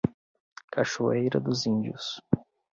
Cachoeira dos Índios